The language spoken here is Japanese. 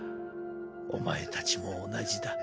お前たちも同じだ。